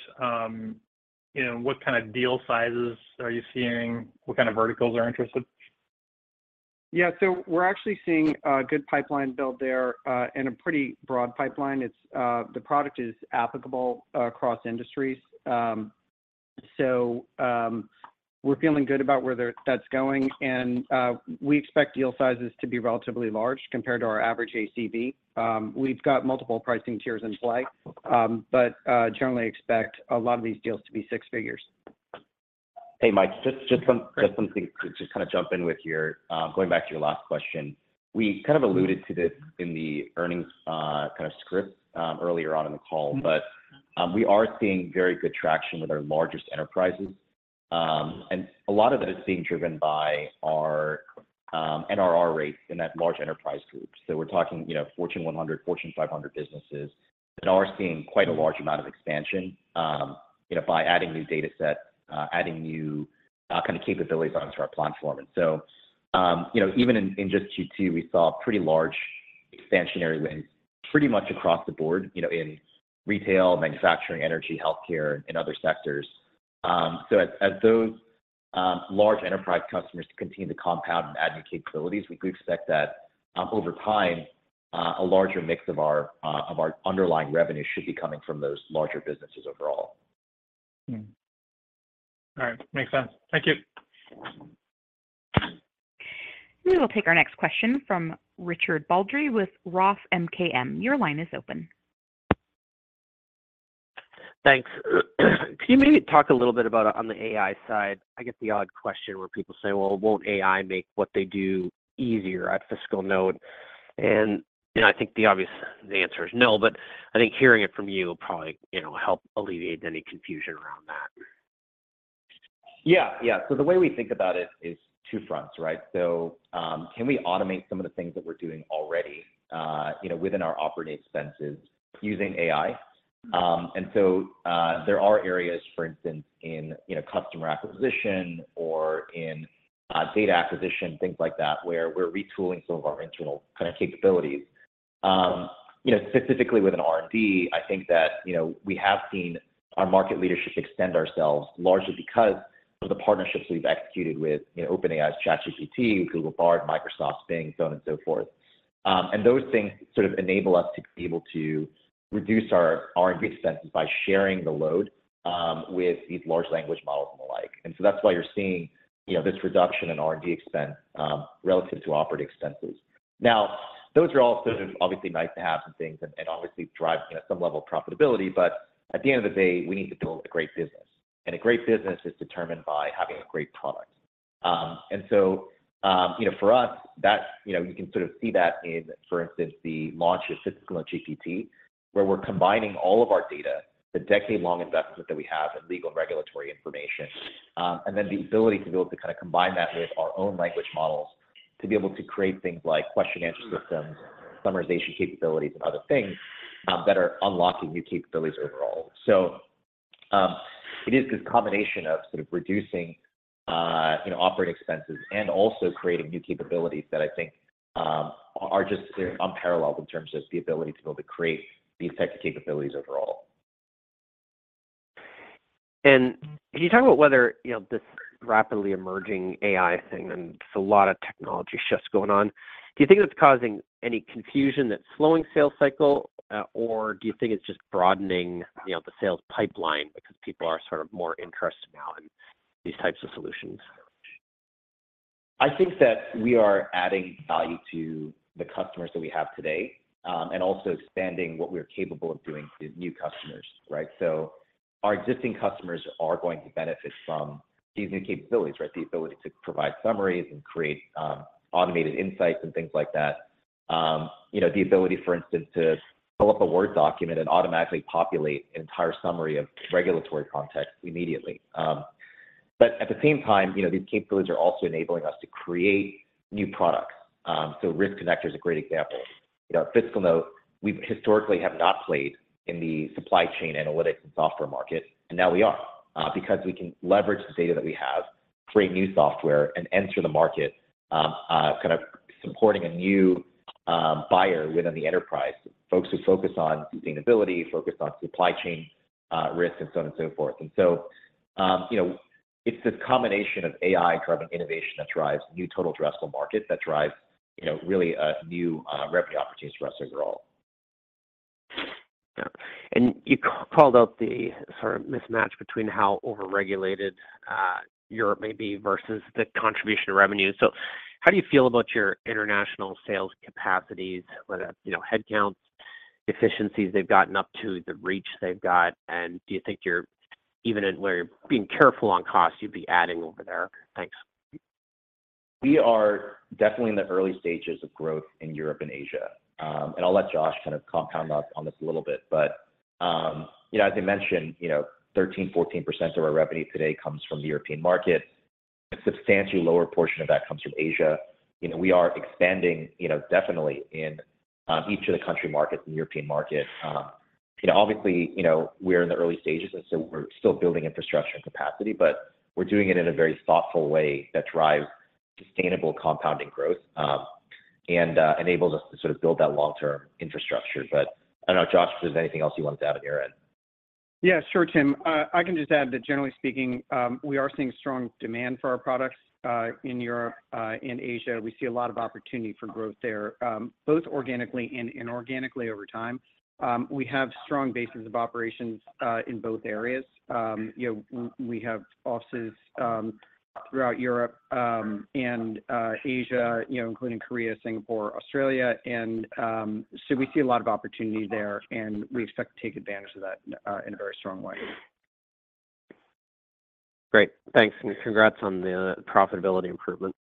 You know, what kind of deal sizes are you seeing? What kind of verticals are interested? We're actually seeing a good pipeline build there and a pretty broad pipeline. It's the product is applicable across industries. We're feeling good about where that, that's going, and we expect deal sizes to be relatively large compared to our average ACV. We've got multiple pricing tiers in play, but generally expect a lot of these deals to be six figures. Hey, Mike, just, just some, just something to just kind of jump in with your, going back to your last question. We kind of alluded to this in the earnings, kind of script, earlier on in the call, but we are seeing very good traction with our largest enterprises. A lot of that is being driven by our NRR rates in that large enterprise group. We're talking, you know, Fortune 100, Fortune 500 businesses, and are seeing quite a large amount of expansion, you know, by adding new datasets, adding new, kind of capabilities onto our platform. You know, even in, in just Q2, we saw pretty large expansionary wins pretty much across the board, you know, in retail, manufacturing, energy, healthcare, and other sectors. As, as those, large enterprise customers continue to compound and add new capabilities, we do expect that, over time, a larger mix of our, of our underlying revenue should be coming from those larger businesses overall. Mm-hmm. All right. Makes sense. Thank you. We will take our next question from Richard Baldry with Roth MKM. Your line is open. Thanks. Can you maybe talk a little bit about on the AI side? I get the odd question where people say, "Well, won't AI make what they do easier at FiscalNote?" You know, I think the obvious, the answer is no, but I think hearing it from you will probably, you know, help alleviate any confusion around that. Yeah, yeah. The way we think about it is two fronts, right? Can we automate some of the things that we're doing already, you know, within our operating expenses using AI? There are areas, for instance, in, you know, customer acquisition or in, data acquisition, things like that, where we're retooling some of our internal kind of capabilities. You know, specifically with an R&D, I think that, you know, we have seen our market leadership extend ourselves largely because of the partnerships we've executed with, you know, OpenAI's ChatGPT, Google Bard, Microsoft's Bing, so on and so forth. Those things sort of enable us to be able to reduce our R&D expenses by sharing the load, with these large language models and the like. That's why you're seeing, you know, this reduction in R&D expense, relative to operating expenses. Now, those are all obviously nice to have and things, and, and obviously drive some level of profitability, but at the end of the day, we need to build a great business. A great business is determined by having a great product. You know, for us, you know, you can sort of see that in, for instance, the launch of FiscalNoteGPT, where we're combining all of our data, the decade-long investment that we have in legal and regulatory information, and then the ability to be able to kind of combine that with our own language models, to be able to create things like question and answer systems, summarization capabilities, and other things, that are unlocking new capabilities overall. It is this combination of sort of reducing, you know, operating expenses and also creating new capabilities that I think are just unparalleled in terms of the ability to be able to create these types of capabilities overall. Can you talk about whether, you know, this rapidly emerging AI thing, and it's a lot of technology shifts going on, do you think that's causing any confusion that's slowing sales cycle, or do you think it's just broadening, you know, the sales pipeline because people are sort of more interested now in these types of solutions? I think that we are adding value to the customers that we have today, and also expanding what we're capable of doing to new customers, right? Our existing customers are going to benefit from these new capabilities, right? The ability to provide summaries and create automated insights and things like that. You know, the ability, for instance, to pull up a Word document and automatically populate an entire summary of regulatory context immediately. At the same time, you know, these capabilities are also enabling us to create new products. Risk Connector is a great example. You know, at FiscalNote, we historically have not played in the supply chain analytics and software market, and now we are, because we can leverage the data that we have, create new software, and enter the market, kind of supporting a new buyer within the enterprise. Folks who focus on sustainability, focus on supply chain, risk, and so on and so forth. You know, it's this combination of AI-driven innovation that drives new total addressable market, that drives, you know, really a new revenue opportunity for us overall. Yeah. You called out the sort of mismatch between how over-regulated, Europe may be versus the contribution of revenue. How do you feel about your international sales capacities, whether, you know, headcounts, efficiencies they've gotten up to, the reach they've got? Do you think you're even in where you're being careful on costs, you'd be adding over there? Thanks. We are definitely in the early stages of growth in Europe and Asia. I'll let Josh kind of compound up on this a little bit. As I mentioned, 13%-14% of our revenue today comes from the European market. A substantially lower portion of that comes from Asia. We are expanding, definitely in each of the country markets and European market. Obviously, we're in the early stages, and so we're still building infrastructure and capacity, but we're doing it in a very thoughtful way that drives sustainable compounding growth, and enables us to sort of build that long-term infrastructure. I don't know, Josh, if there's anything else you want to add on your end. Yeah, sure, Tim. I can just add that generally speaking, we are seeing strong demand for our products in Europe, in Asia. We see a lot of opportunity for growth there, both organically and inorganically over time. We have strong bases of operations in both areas. You know, we have offices throughout Europe, and Asia, you know, including Korea, Singapore, Australia, and... So we see a lot of opportunity there, and we expect to take advantage of that in a very strong way. Great. Thanks. Congrats on the profitability improvement.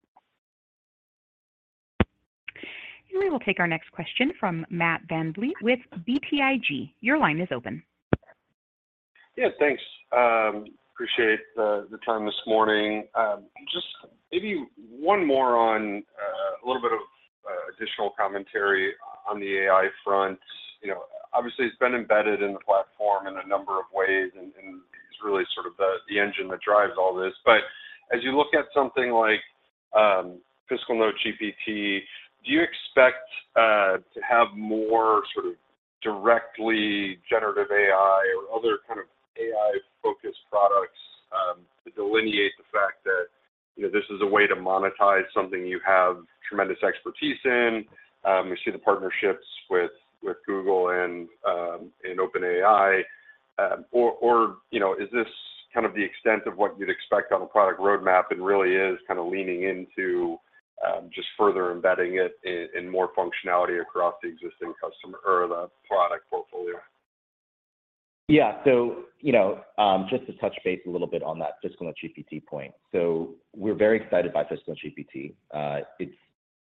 We will take our next question from Matt VanVliet with BTIG. Your line is open. Yeah, thanks. Appreciate the time this morning. Just maybe one more on a little bit of additional commentary on the AI front. You know, obviously, it's been embedded in the platform in a number of ways, and it's really sort of the engine that drives all this. As you look at something like FiscalNote GPT, do you expect to have more sort of directly generative AI or other kind of AI-focused products to delineate the fact that, you know, this is a way to monetize something you have tremendous expertise in? We see the partnerships with Google and OpenAI. You know, is this kind of the extent of what you'd expect on a product roadmap and really is kind of leaning into, just further embedding it in, in more functionality across the existing customer or the product portfolio? Yeah. You know, just to touch base a little bit on that FiscalNote GPT point. We're very excited by FiscalNote GPT. It's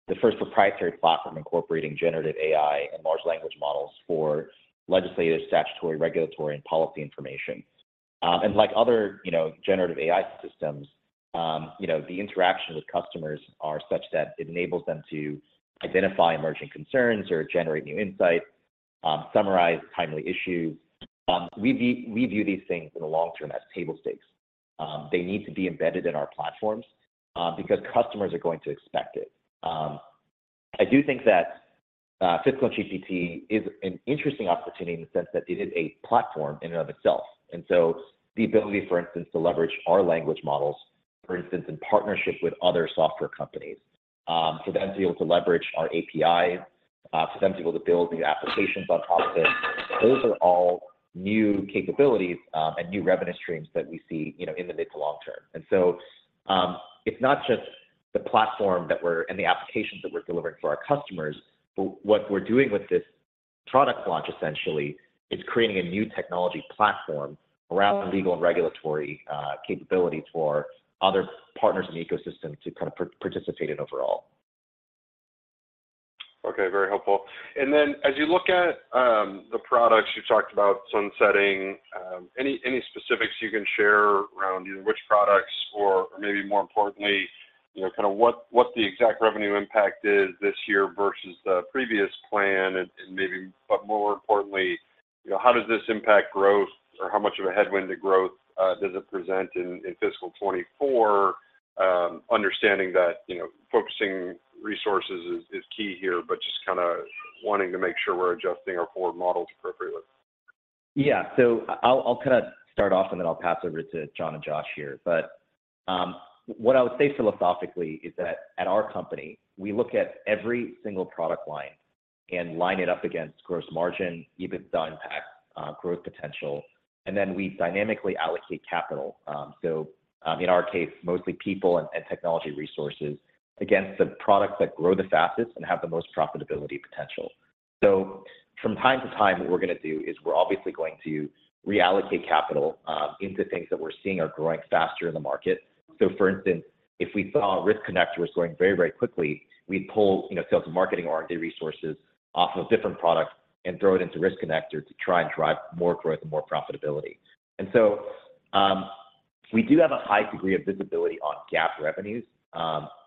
the first proprietary platform incorporating generative AI and large language models for legislative, statutory, regulatory, and policy information. like other, you know, generative AI systems, you know, the interaction with customers are such that it enables them to identify emerging concerns or generate new insight. Summarize timely issues. We view, we view these things in the long term as table stakes. They need to be embedded in our platforms because customers are going to expect it. I do think that Fiscal GPT is an interesting opportunity in the sense that it is a platform in and of itself. The ability, for instance, to leverage our language models, for instance, in partnership with other software companies, for them to be able to leverage our API, for them to be able to build new applications on top of it, those are all new capabilities, and new revenue streams that we see, you know, in the mid to long term. It's not just the platform that we're-- and the applications that we're delivering for our customers, but what we're doing with this product launch, essentially, is creating a new technology platform around legal and regulatory capabilities for other partners in the ecosystem to kind of participate in overall. Okay, very helpful. As you look at, the products, you talked about sunsetting, any, any specifics you can share around either which products or, maybe more importantly, you know, kind of what, what the exact revenue impact is this year versus the previous plan? But more importantly, you know, how does this impact growth or how much of a headwind to growth, does it present in, in fiscal 24? Understanding that, you know, focusing resources is, is key here, but just kinda wanting to make sure we're adjusting our forward models appropriately. Yeah. I'll, I'll kinda start off, and then I'll pass over to Jon and Josh here. What I would say philosophically is that at our company, we look at every single product line and line it up against gross margin, EBITDA impact, growth potential, and then we dynamically allocate capital. In our case, mostly people and, and technology resources, against the products that grow the fastest and have the most profitability potential. From time to time, what we're gonna do is we're obviously going to reallocate capital into things that we're seeing are growing faster in the market. For instance, if we saw Risk Connector was growing very, very quickly, we'd pull, you know, sales and marketing, R&D resources off of different products and throw it into Risk Connector to try and drive more growth and more profitability. We do have a high degree of visibility on GAAP revenues,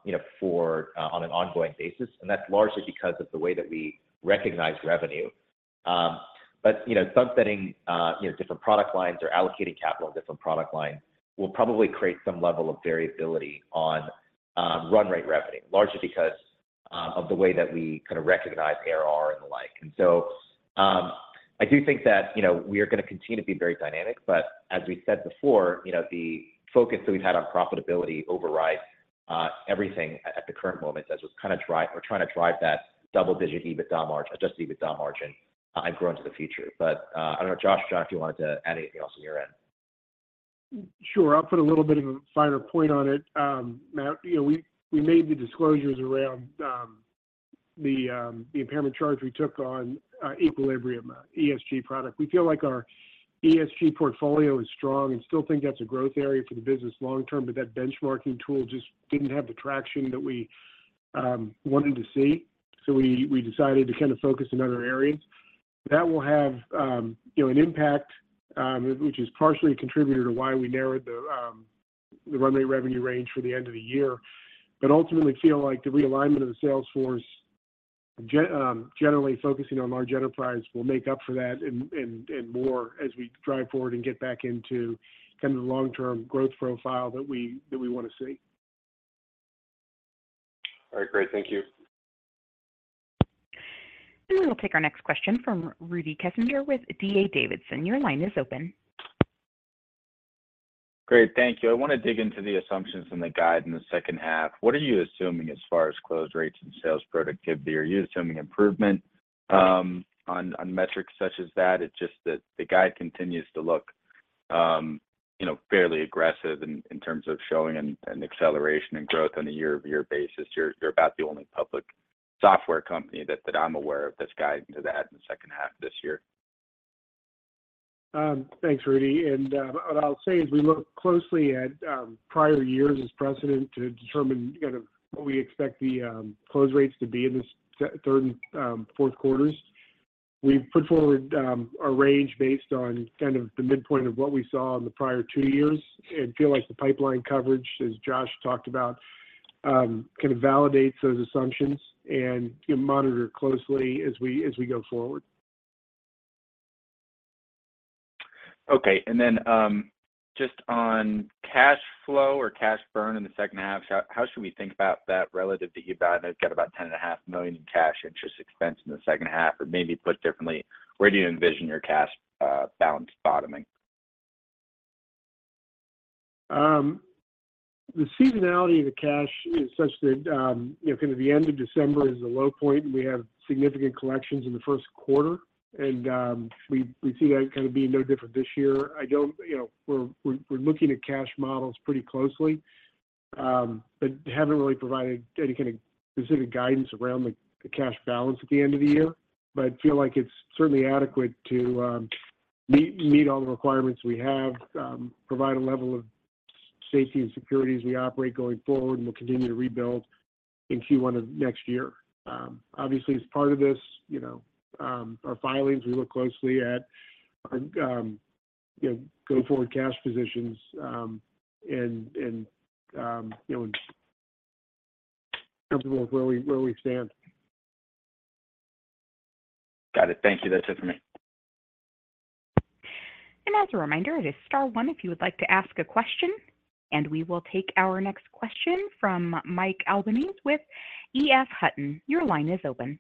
you know, for on an ongoing basis, and that's largely because of the way that we recognize revenue. You know, sunsetting, you know, different product lines or allocating capital on different product lines will probably create some level of variability on Run-Rate Revenue, largely because of the way that we recognize ARR and the like. I do think that, you know, we are gonna continue to be very dynamic, but as we said before, you know, the focus that we've had on profitability overrides everything at the current moment as we're trying to drive that double-digit EBITDA margin, adjusted EBITDA margin, and grow into the future. I don't know, Josh or Jon, if you wanted to add anything else on your end. Sure. I'll put a little bit of a finer point on it. Matt, you know, we, we made the disclosures around the impairment charge we took on Equilibrium ESG product. We feel like our ESG portfolio is strong and still think that's a growth area for the business long term, but that benchmarking tool just didn't have the traction that we wanted to see. We, we decided to kinda focus in other areas. That will have, you know, an impact, which is partially a contributor to why we narrowed the Run-Rate Revenue range for the end of the year. ultimately, feel like the realignment of the sales force, generally focusing on large enterprise, will make up for that and, and, and more as we drive forward and get back into kind of the long-term growth profile that we, that we wanna see. All right, great. Thank you. We will take our next question from Rudy Kessinger with D.A. Davidson. Your line is open. Great. Thank you. I wanna dig into the assumptions and the guide in the H2. What are you assuming as far as close rates and sales productivity? Are you assuming improvement on metrics such as that? It's just that the guide continues to look, you know, fairly aggressive in terms of showing an acceleration and growth on a year-over-year basis. You're about the only public software company that I'm aware of that's guiding to that in the H2 of this year. Thanks, Rudy. What I'll say is we look closely at prior years as precedent to determine kind of what we expect the close rates to be in this third and fourth quarters. We've put forward a range based on kind of the midpoint of what we saw in the prior two years and feel like the pipeline coverage, as Josh talked about, kind of validates those assumptions, and we'll monitor closely as we, as we go forward. Okay. Then, just on cash flow or cash burn in the H2, how, how should we think about that relative to EBITDA? They've got about $10.5 million in cash interest expense in the H2. Maybe put differently, where do you envision your cash balance bottoming? The seasonality of the cash is such that, you know, kind of the end of December is the low point, and we have significant collections in the first quarter. We, we see that kind of being no different this year. I don't... You know, we're, we're, we're looking at cash models pretty closely, but haven't really provided any kind of specific guidance around the, the cash balance at the end of the year. I feel like it's certainly adequate to meet, meet all the requirements we have, provide a level of safety and security as we operate going forward, and we'll continue to rebuild in Q1 of next year. Obviously, as part of this, you know, our filings, we look closely at, you know, go-forward cash positions, and, and, you know. comfortable with where we, where we stand. Got it. Thank you. That's it for me. As a reminder, it is star 1 if you would like to ask a question. We will take our next question from Mike Albanese with EF Hutton. Your line is open.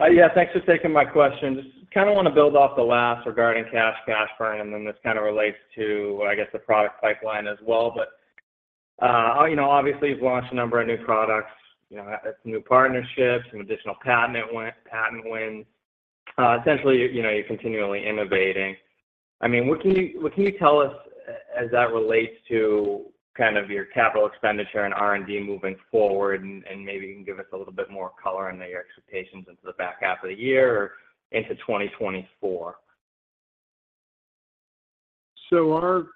Yeah, thanks for taking my question. Just kinda wanna build off the last regarding cash, cash burn, and then this kind of relates to, I guess, the product pipeline as well. But, you know, obviously, you've launched a number of new products, you know, some new partnerships, some additional patent win- patent wins. Essentially, you know, you're continually innovating. I mean, what can you, what can you tell us as that relates to kind of your capital expenditure and R&D moving forward? And, maybe you can give us a little bit more color on your expectations into the back half of the year or into 2024. Our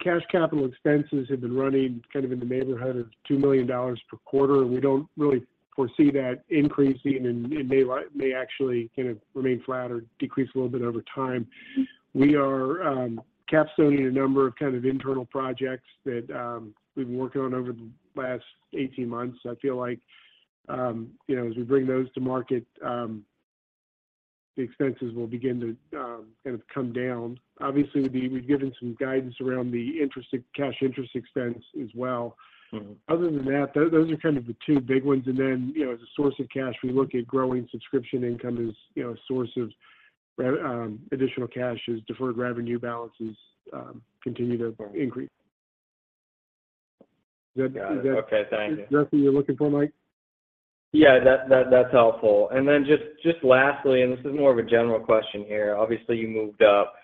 cash capital expenses have been running kind of in the neighborhood of $2 million per quarter. We don't really foresee that increasing, and it may actually kind of remain flat or decrease a little bit over time. We are capstoning a number of kind of internal projects that we've been working on over the last 18 months. I feel like, you know, as we bring those to market, the expenses will begin to kind of come down. Obviously, we, we've given some guidance around the interest, cash interest expense as well. Mm-hmm. Other than that, those are kind of the two big ones. You know, as a source of cash, we look at growing subscription income as, you know, a source of additional cash as deferred revenue balances continue to increase. Is that? Got it. Okay, thank you. Is that what you're looking for, Mike? Yeah, that, that, that's helpful. Then just, just lastly, and this is more of a general question here. Obviously, you moved up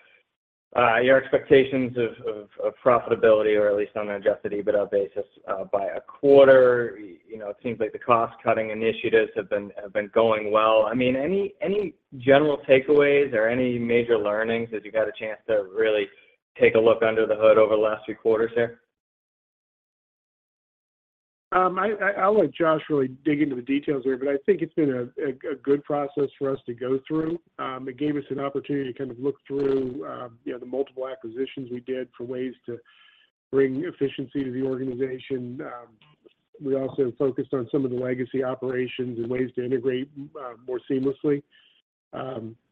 your expectations of, of, of profitability, or at least on an adjusted EBITDA basis, by a quarter. You know, it seems like the cost-cutting initiatives have been, have been going well. I mean, any, any general takeaways or any major learnings as you got a chance to really take a look under the hood over the last few quarters there? I, I, I'll let Josh really dig into the details here, but I think it's been a good process for us to go through. It gave us an opportunity to kind of look through, you know, the multiple acquisitions we did for ways to bring efficiency to the organization. We also focused on some of the legacy operations and ways to integrate more seamlessly.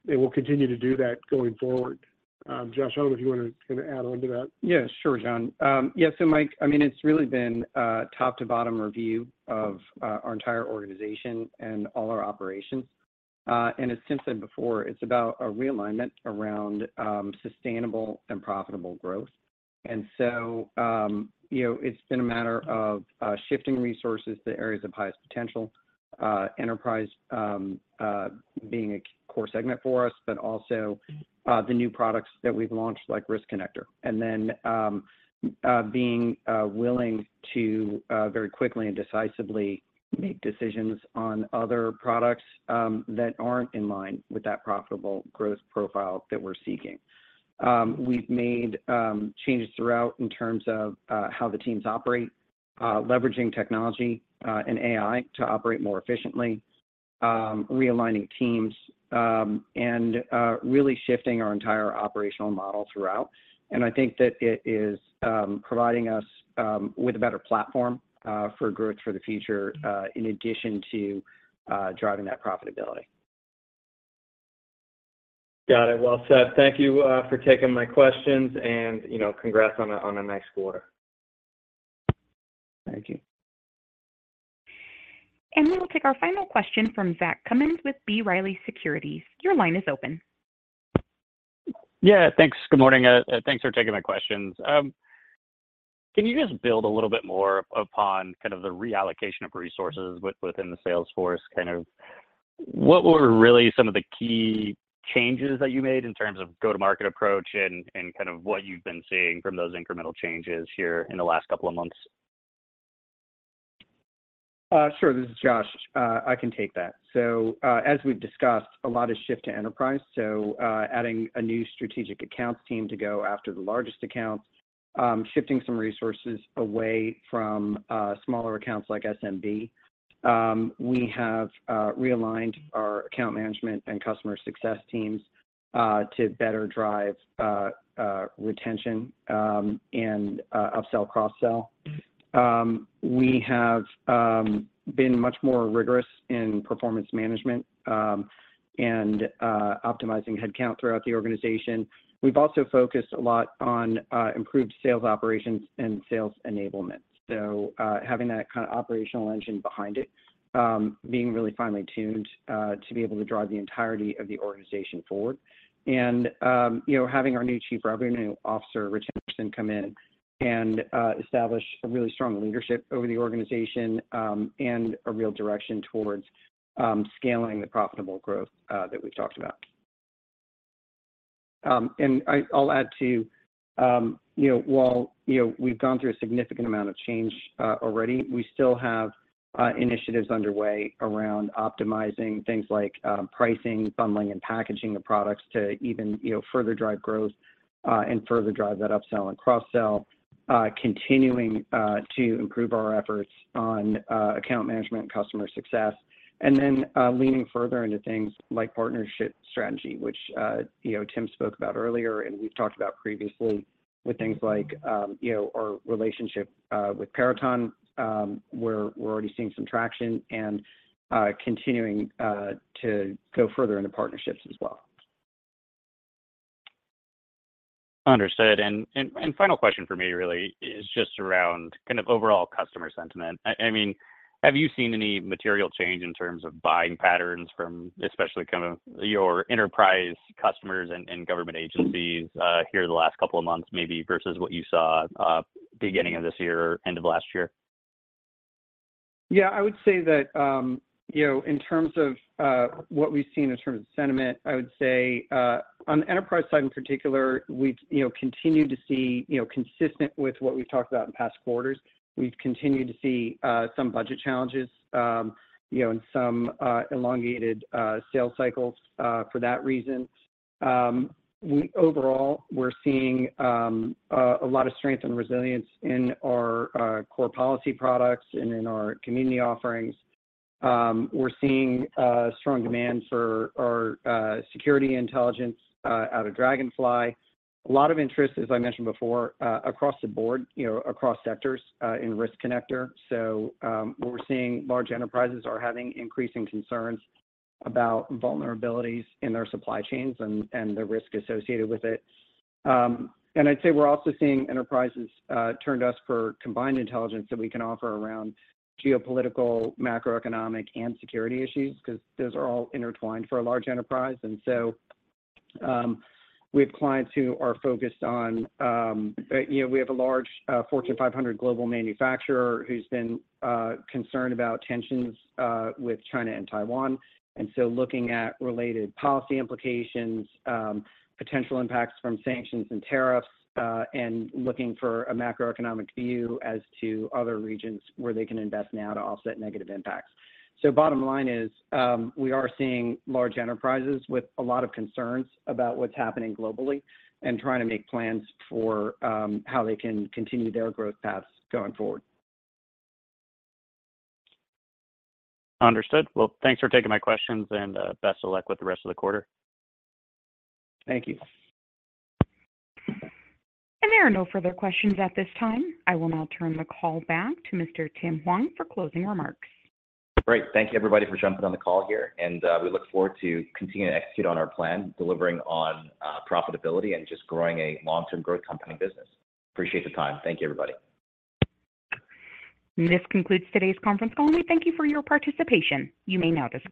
We'll continue to do that going forward. Josh, I don't know if you wanna kinda add on to that. Yeah, sure, Jon. Yeah, so Mike, I mean, it's really been a top-to-bottom review of our entire organization and all our operations. As Tim said before, it's about a realignment around sustainable and profitable growth. So, you know, it's been a matter of shifting resources to areas of highest potential, enterprise, being a core segment for us, but also the new products that we've launched, like Risk Connector. Then, being willing to very quickly and decisively make decisions on other products that aren't in line with that profitable growth profile that we're seeking. We've made changes throughout in terms of how the teams operate, leveraging technology, and AI to operate more efficiently, realigning teams, and really shifting our entire operational model throughout. I think that it is providing us with a better platform for growth for the future, in addition to driving that profitability. Got it. Well said. Thank you for taking my questions, and, you know, congrats on a, on a nice quarter. Thank you. We will take our final question from Zach Cummins with B. Riley Securities. Your line is open. Yeah, thanks. Good morning. Thanks for taking my questions. Can you just build a little bit more upon kind of the reallocation of resources within the sales force? Kind of what were really some of the key changes that you made in terms of go-to-market approach and kind of what you've been seeing from those incremental changes here in the last couple of months? Sure. This is Josh. I can take that. As we've discussed, a lot of shift to enterprise, so, adding a new strategic accounts team to go after the largest accounts, shifting some resources away from, smaller accounts like SMB. We have, realigned our account management and customer success teams, to better drive, retention, and, upsell, cross-sell. We have, been much more rigorous in performance management, and, optimizing headcount throughout the organization. We've also focused a lot on, improved sales operations and sales enablement. Having that kind of operational engine behind it, being really finely tuned, to be able to drive the entirety of the organization forward. You know, having our new Chief Revenue Officer, Rich Henderson, come in and establish a really strong leadership over the organization, and a real direction towards scaling the profitable growth that we've talked about. I'll add, too, you know, while, you know, we've gone through a significant amount of change already, we still have initiatives underway around optimizing things like pricing, bundling, and packaging the products to even, you know, further drive growth and further drive that upsell and cross-sell. Continuing to improve our efforts on account management and customer success, and then leaning further into things like partnership strategy, which, you know, Tim spoke about earlier, and we've talked about previously. with things like, you know, our relationship with Peraton, we're, we're already seeing some traction and continuing to go further into partnerships as well. Understood. Final question for me really is just around kind of overall customer sentiment. I mean, have you seen any material change in terms of buying patterns from especially kind of your enterprise customers and government agencies here the last couple of months, maybe versus what you saw beginning of this year or end of last year? Yeah, I would say that, you know, in terms of what we've seen in terms of sentiment, I would say, on the enterprise side in particular, we've, you know, continued to see, you know, consistent with what we've talked about in past quarters, we've continued to see some budget challenges, you know, and some elongated sales cycles for that reason. Overall, we're seeing a lot of strength and resilience in our core policy products and in our community offerings. We're seeing strong demand for our security intelligence out of Dragonfly. A lot of interest, as I mentioned before, across the board, you know, across sectors, in Risk Connector. What we're seeing, large enterprises are having increasing concerns about vulnerabilities in their supply chains and, and the risk associated with it. I'd say we're also seeing enterprises turn to us for combined intelligence that we can offer around geopolitical, macroeconomic, and security issues, 'cause those are all intertwined for a large enterprise. We have clients who are focused on... You know, we have a large Fortune 500 global manufacturer who's been concerned about tensions with China and Taiwan, and so looking at related policy implications, potential impacts from sanctions and tariffs, and looking for a macroeconomic view as to other regions where they can invest now to offset negative impacts. Bottom line is, we are seeing large enterprises with a lot of concerns about what's happening globally and trying to make plans for how they can continue their growth paths going forward. Understood. Well, thanks for taking my questions, and best of luck with the rest of the quarter. Thank you. There are no further questions at this time. I will now turn the call back to Mr. Tim Hwang for closing remarks. Great. Thank you, everybody, for jumping on the call here. We look forward to continuing to execute on our plan, delivering on profitability and just growing a long-term growth company business. Appreciate the time. Thank you, everybody. This concludes today's conference call. We thank you for your participation. You may now disconnect.